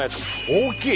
大きい。